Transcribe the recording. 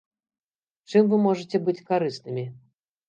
Чым вы можаце быць карыснымі?